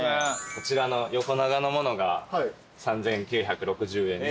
こちらの横長のものが３，９６０円で。